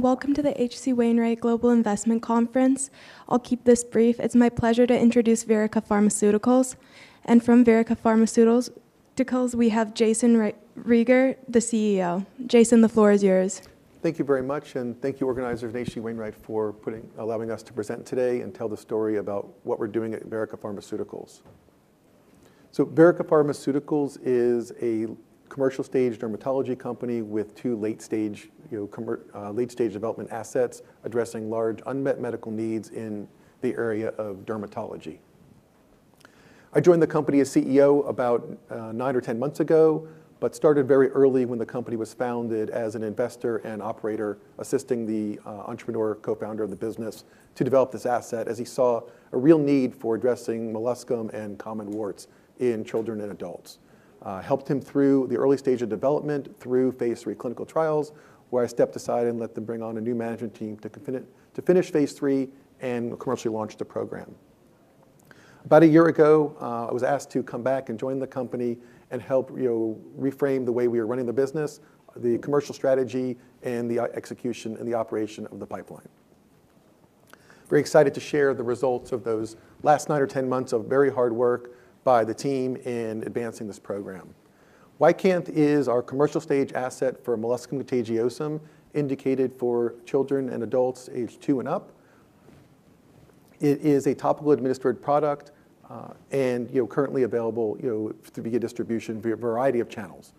Welcome to the H.C. Wainwright Global Investment Conference. I'll keep this brief. It's my pleasure to introduce Verrica Pharmaceuticals. And from Verrica Pharmaceuticals, we have Jayson Rieger, the CEO. Jayson, the floor is yours. Thank you very much, and thank you, organizer of H.C. Wainwright, for allowing us to present today and tell the story about what we're doing at Verrica Pharmaceuticals. So Verrica Pharmaceuticals is a commercial-stage dermatology company with two late-stage development assets addressing large unmet medical needs in the area of dermatology. I joined the company as CEO about nine or ten months ago, but started very early when the company was founded as an investor and operator assisting the entrepreneur co-founder of the business to develop this asset as he saw a real need for addressing molluscum and common warts in children and adults. I helped him through the early stage of development through phase III clinical trials, where I stepped aside and let them bring on a new management team to finish phase III and commercially launch the program. About a year ago, I was asked to come back and join the company and help reframe the way we are running the business, the commercial strategy, and the execution and the operation of the pipeline. Very excited to share the results of those last nine or ten months of very hard work by the team in advancing this program. YCANTH is our commercial-stage asset for molluscum contagiosum, indicated for children and adults age two and up. It is a topical-administered product and currently available through distribution via a variety of channels.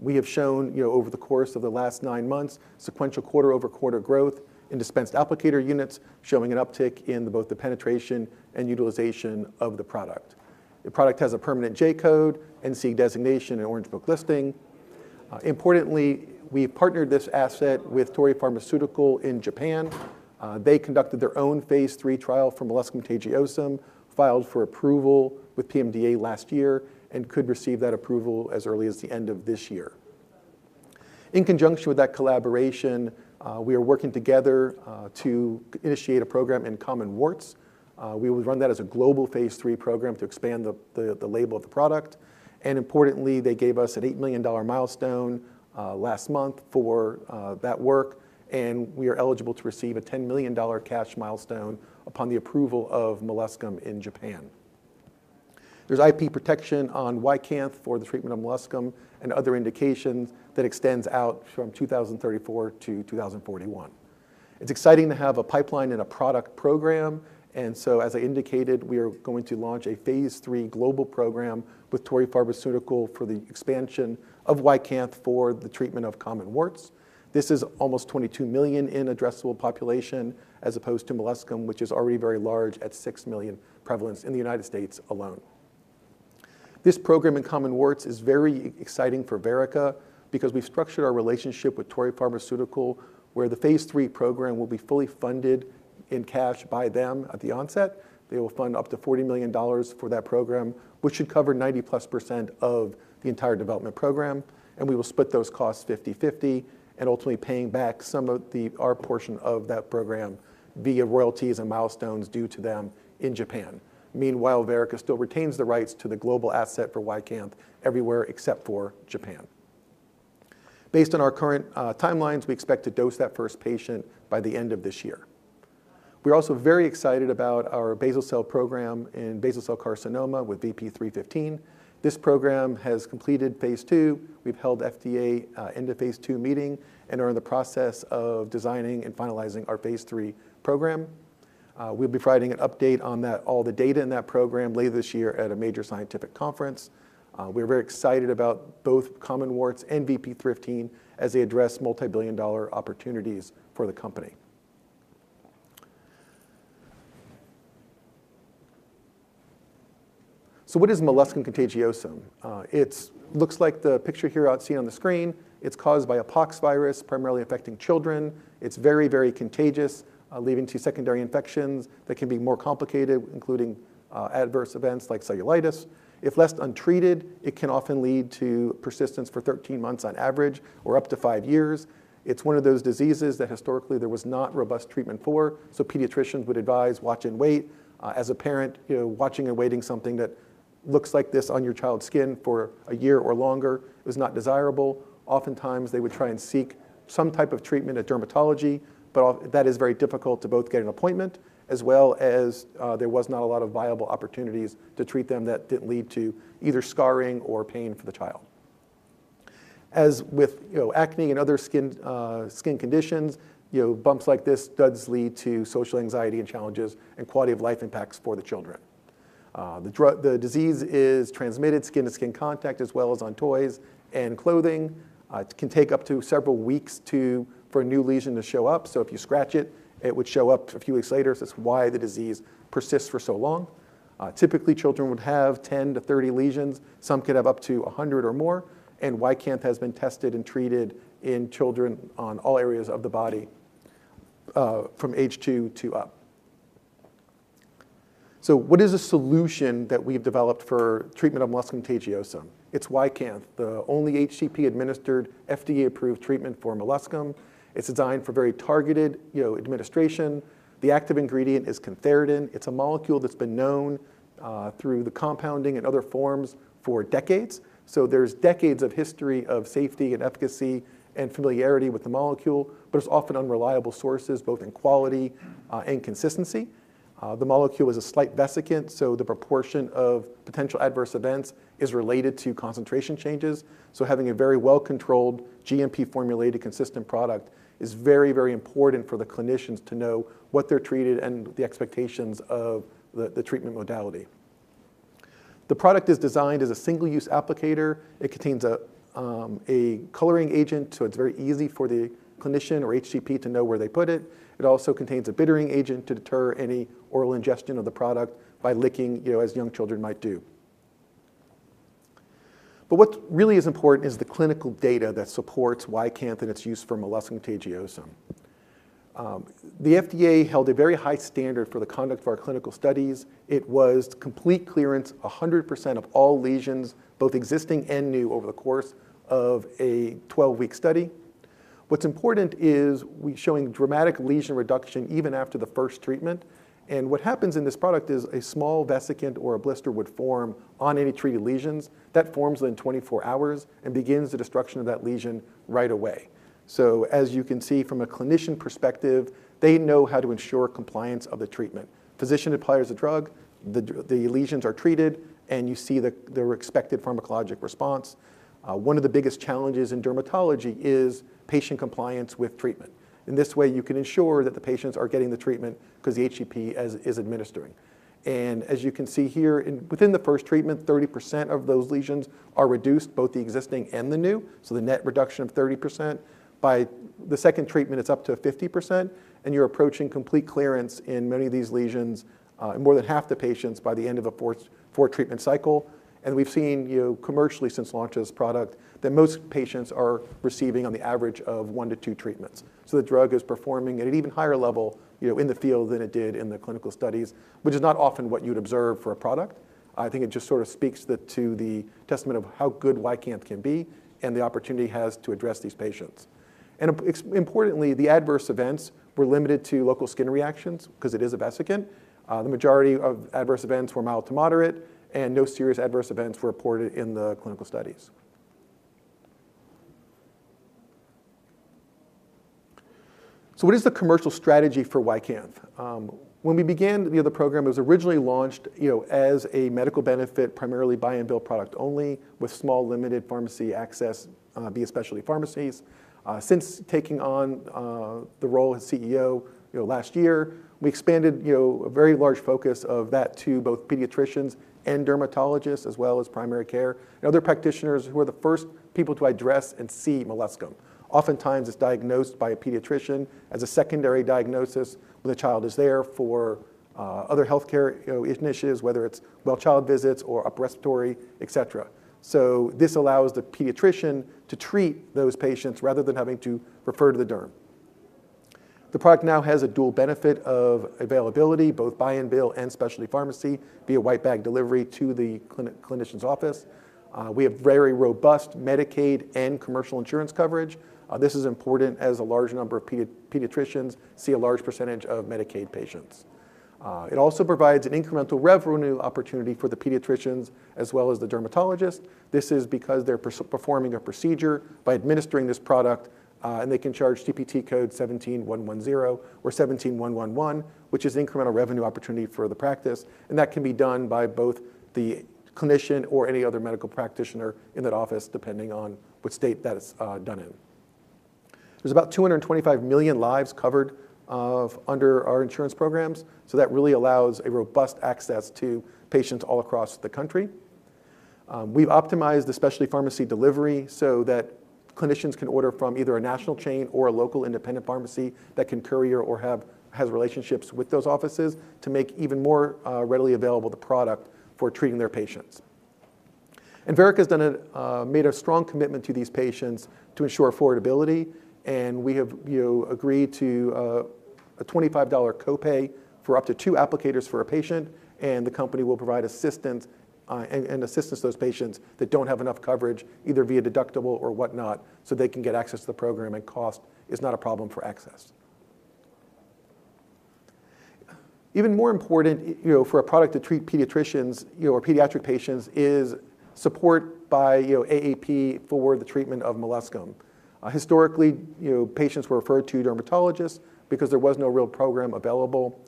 We have shown, over the course of the last nine months, sequential quarter-over-quarter growth in dispensed applicator units, showing an uptick in both the penetration and utilization of the product. The product has a permanent J-Code, NCE designation, and Orange Book listing. Importantly, we partnered this asset with Torii Pharmaceutical in Japan. They conducted their own phase III trial for molluscum contagiosum, filed for approval with PMDA last year, and could receive that approval as early as the end of this year. In conjunction with that collaboration, we are working together to initiate a program in common warts. We will run that as a global phase III program to expand the label of the product. And importantly, they gave us an $8 million milestone last month for that work, and we are eligible to receive a $10 million cash milestone upon the approval of molluscum in Japan. There's IP protection on YCANTH for the treatment of molluscum and other indications that extends out from 2034 to 2041. It's exciting to have a pipeline and a product program. And so, as I indicated, we are going to launch a phase 3 global program with Torii Pharmaceuticals for the expansion of YCANTH for the treatment of common warts. This is almost $22 million in addressable population, as opposed to molluscum, which is already very large at $6 million prevalence in the United States alone. This program in common warts is very exciting for Verrica because we've structured our relationship with Torii Pharmaceuticals, where the phase 3 program will be fully funded in cash by them at the onset. They will fund up to $40 million for that program, which should cover 90+% of the entire development program. And we will split those costs 50/50 and ultimately paying back some of our portion of that program via royalties and milestones due to them in Japan. Meanwhile, Verrica still retains the rights to the global asset for YCANTH everywhere except for Japan. Based on our current timelines, we expect to dose that first patient by the end of this year. We're also very excited about our basal cell program in basal cell carcinoma with VP-315. This program has completed phase two. We've held FDA end of phase two meeting and are in the process of designing and finalizing our phase III program. We'll be providing an update on all the data in that program later this year at a major scientific conference. We are very excited about both common warts and VP-315 as they address multi-billion dollar opportunities for the company. What is molluscum contagiosum? It looks like the picture here seen on the screen. It's caused by a poxvirus primarily affecting children. It's very, very contagious, leading to secondary infections that can be more complicated, including adverse events like cellulitis. If left untreated, it can often lead to persistence for 13 months on average or up to five years. It's one of those diseases that historically there was not robust treatment for. So pediatricians would advise watch and wait. As a parent, watching and waiting for something that looks like this on your child's skin for a year or longer is not desirable. Oftentimes, they would try and seek some type of treatment at dermatology, but that is very difficult to both get an appointment as well as there was not a lot of viable opportunities to treat them that didn't lead to either scarring or pain for the child. As with acne and other skin conditions, bumps like this do lead to social anxiety and challenges and quality of life impacts for the children. The disease is transmitted skin-to-skin contact as well as on toys and clothing. It can take up to several weeks for a new lesion to show up. So if you scratch it, it would show up a few weeks later. So that's why the disease persists for so long. Typically, children would have 10 to 30 lesions. Some can have up to 100 or more. And YCANTH has been tested and treated in children on all areas of the body from age two to up. So what is a solution that we've developed for treatment of molluscum contagiosum? It's YCANTH, the only HCP-administered FDA-approved treatment for molluscum. It's designed for very targeted administration. The active ingredient is cantharidin. It's a molecule that's been known through the compounding and other forms for decades. So there's decades of history of safety and efficacy and familiarity with the molecule, but it's often unreliable sources both in quality and consistency. The molecule is a slight vesicant, so the proportion of potential adverse events is related to concentration changes. So having a very well-controlled GMP-formulated consistent product is very, very important for the clinicians to know what they're treated and the expectations of the treatment modality. The product is designed as a single-use applicator. It contains a coloring agent, so it's very easy for the clinician or HCP to know where they put it. It also contains a bittering agent to deter any oral ingestion of the product by licking, as young children might do. But what really is important is the clinical data that supports YCANTH and its use for molluscum contagiosum. The FDA held a very high standard for the conduct of our clinical studies. It was complete clearance, 100% of all lesions, both existing and new, over the course of a 12-week study. What's important is showing dramatic lesion reduction even after the first treatment, and what happens in this product is a small vesicant or a blister would form on any treated lesions. That forms within 24 hours and begins the destruction of that lesion right away, so as you can see from a clinician perspective, they know how to ensure compliance of the treatment. Physician applies the drug, the lesions are treated, and you see their expected pharmacologic response. One of the biggest challenges in dermatology is patient compliance with treatment. In this way, you can ensure that the patients are getting the treatment because the HCP is administering. And as you can see here, within the first treatment, 30% of those lesions are reduced, both the existing and the new. So the net reduction of 30%. By the second treatment, it's up to 50%. And you're approaching complete clearance in many of these lesions, more than half the patients by the end of a fourth treatment cycle. And we've seen commercially since launch of this product that most patients are receiving on the average of one to two treatments. So the drug is performing at an even higher level in the field than it did in the clinical studies, which is not often what you'd observe for a product. I think it just sort of speaks to the testament of how good YCANTH can be and the opportunity it has to address these patients. Importantly, the adverse events were limited to local skin reactions because it is a vesicant. The majority of adverse events were mild to moderate, and no serious adverse events were reported in the clinical studies. What is the commercial strategy for YCANTH? When we began the program, it was originally launched as a medical benefit primarily buy-and-bill product only with small limited pharmacy access via specialty pharmacies. Since taking on the role as CEO last year, we expanded a very large focus of that to both pediatricians and dermatologists as well as primary care and other practitioners who are the first people to address and see molluscum. Oftentimes, it's diagnosed by a pediatrician as a secondary diagnosis when the child is there for other healthcare initiatives, whether it's well-child visits or upper respiratory, et cetera. So this allows the pediatrician to treat those patients rather than having to refer to the derm. The product now has a dual benefit of availability, both buy-and-bill and specialty pharmacy via white bag delivery to the clinician's office. We have very robust Medicaid and commercial insurance coverage. This is important as a large number of pediatricians see a large percentage of Medicaid patients. It also provides an incremental revenue opportunity for the pediatricians as well as the dermatologists. This is because they're performing a procedure by administering this product, and they can charge CPT code 17110 or 17111, which is an incremental revenue opportunity for the practice. And that can be done by both the clinician or any other medical practitioner in that office, depending on what state that's done in. There's about 225 million lives covered under our insurance programs. So that really allows a robust access to patients all across the country. We've optimized the specialty pharmacy delivery so that clinicians can order from either a national chain or a local independent pharmacy that can courier or has relationships with those offices to make even more readily available the product for treating their patients. And Verrica has made a strong commitment to these patients to ensure affordability. And we have agreed to a $25 copay for up to two applicators for a patient. And the company will provide assistance to those patients that don't have enough coverage, either via deductible or whatnot, so they can get access to the program and cost is not a problem for access. Even more important for a product to treat pediatricians or pediatric patients is support by AAP for the treatment of molluscum. Historically, patients were referred to dermatologists because there was no real program available.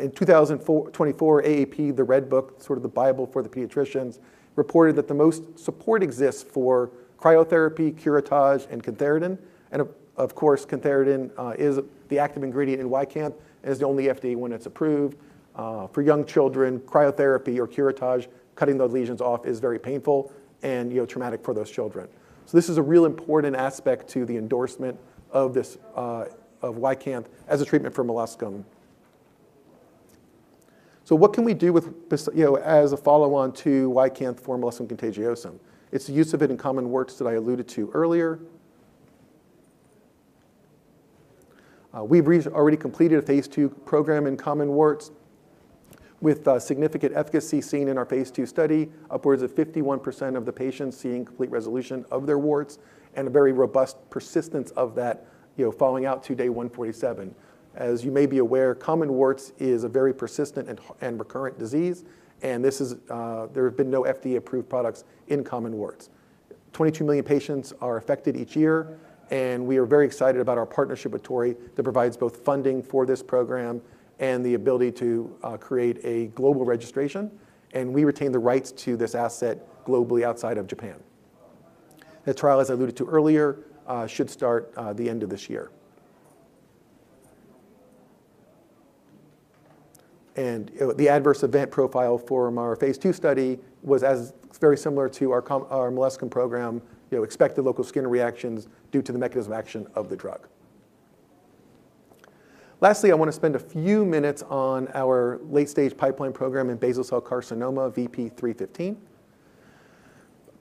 In 2024, AAP, the Red Book, sort of the Bible for the pediatricians, reported that the most support exists for cryotherapy, curettage, and cantharidin, and of course, cantharidin is the active ingredient in YCANTH and is the only FDA one that's approved. For young children, cryotherapy or curettage, cutting those lesions off is very painful and traumatic for those children, so this is a real important aspect to the endorsement of YCANTH as a treatment for molluscum, so what can we do as a follow-on to YCANTH for molluscum contagiosum? It's the use of it in common warts that I alluded to earlier. We've already completed a phase II program in common warts with significant efficacy seen in our phase II study, upwards of 51% of the patients seeing complete resolution of their warts and a very robust persistence of that following out to day 147. As you may be aware, common warts is a very persistent and recurrent disease. And there have been no FDA-approved products in common warts. 22 million patients are affected each year. And we are very excited about our partnership with Torii that provides both funding for this program and the ability to create a global registration. And we retain the rights to this asset globally outside of Japan. The trial, as I alluded to earlier, should start the end of this year. And the adverse event profile for our phase II study was very similar to our molluscum program, expected local skin reactions due to the mechanism of action of the drug. Lastly, I want to spend a few minutes on our late-stage pipeline program in basal cell carcinoma, VP-315.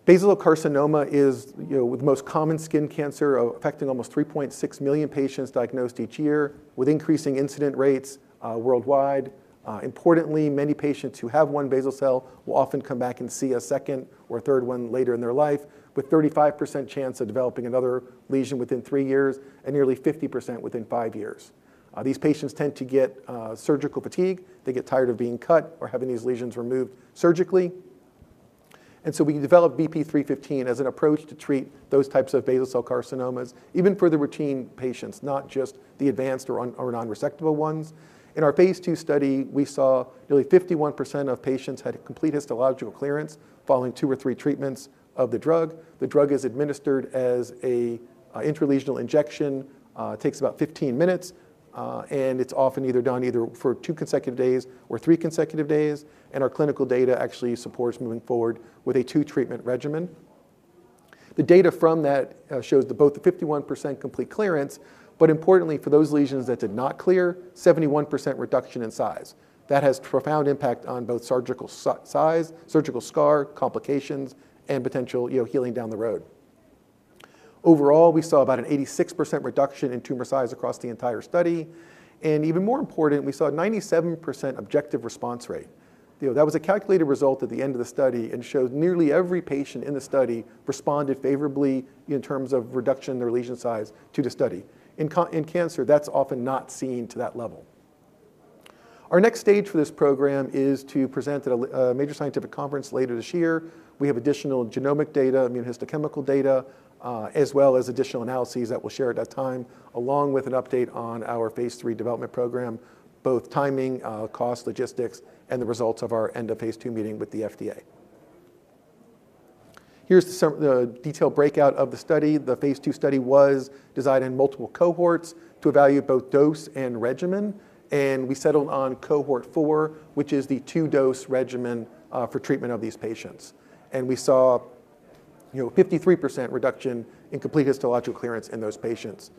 Basal cell carcinoma is the most common skin cancer, affecting almost 3.6 million patients diagnosed each year with increasing incidence rates worldwide. Importantly, many patients who have one basal cell will often come back and see a second or third one later in their life with 35% chance of developing another lesion within three years and nearly 50% within five years. These patients tend to get surgical fatigue. They get tired of being cut or having these lesions removed surgically. And so we developed VP-315 as an approach to treat those types of basal cell carcinomas, even for the routine patients, not just the advanced or non-resectable ones. In our phase two study, we saw nearly 51% of patients had complete histological clearance following two or three treatments of the drug. The drug is administered as an intralesional injection. It takes about 15 minutes. And it's often either done for two consecutive days or three consecutive days. And our clinical data actually supports moving forward with a two-treatment regimen. The data from that shows both the 51% complete clearance, but importantly, for those lesions that did not clear, 71% reduction in size. That has a profound impact on both surgical scar, complications, and potential healing down the road. Overall, we saw about an 86% reduction in tumor size across the entire study. Even more important, we saw a 97% objective response rate. That was a calculated result at the end of the study and showed nearly every patient in the study responded favorably in terms of reduction in their lesion size to the study. In cancer, that's often not seen to that level. Our next stage for this program is to present at a major scientific conference later this year. We have additional genomic data, immunohistochemical data, as well as additional analyses that we'll share at that time, along with an update on our phase 3 development program, both timing, cost, logistics, and the results of our end of phase II meeting with the FDA. Here's the detailed breakout of the study. The phase II study was designed in multiple cohorts to evaluate both dose and regimen. And we settled on cohort four, which is the two-dose regimen for treatment of these patients. And we saw a 53% reduction in complete histological clearance in those patients.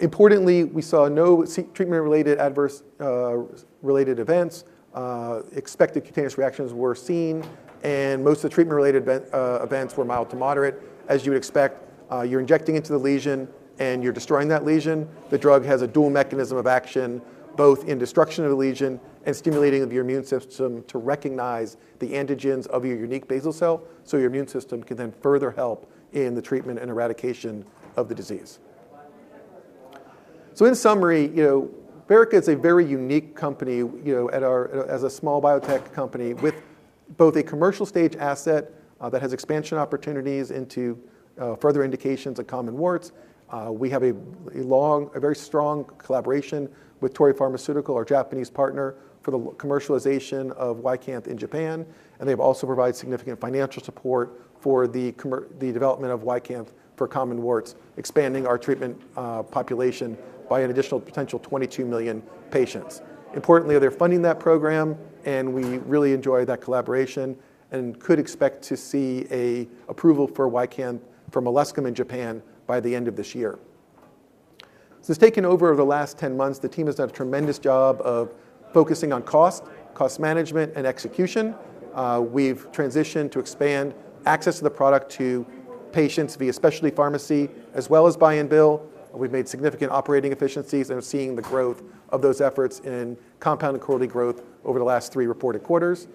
Importantly, we saw no treatment-related events. Expected cutaneous reactions were seen. And most of the treatment-related events were mild to moderate. As you would expect, you're injecting into the lesion and you're destroying that lesion. The drug has a dual mechanism of action, both in destruction of the lesion and stimulating the immune system to recognize the antigens of your unique basal cell. So your immune system can then further help in the treatment and eradication of the disease. So in summary, Verrica is a very unique company as a small biotech company with both a commercial stage asset that has expansion opportunities into further indications of common warts. We have a very strong collaboration with Torii Pharmaceutical, our Japanese partner, for the commercialization of YCANTH in Japan. And they've also provided significant financial support for the development of YCANTH for common warts, expanding our treatment population by an additional potential 22 million patients. Importantly, they're funding that program. And we really enjoy that collaboration and could expect to see an approval for YCANTH for molluscum in Japan by the end of this year. Since taking over the last 10 months, the team has done a tremendous job of focusing on cost, cost management, and execution. We've transitioned to expand access to the product to patients via specialty pharmacy as well as buy-and-bill. We've made significant operating efficiencies and are seeing the growth of those efforts in compound and quarterly growth over the last three reported quarters.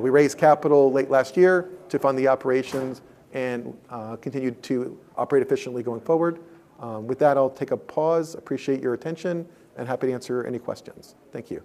We raised capital late last year to fund the operations and continue to operate efficiently going forward. With that, I'll take a pause. Appreciate your attention and happy to answer any questions. Thank you.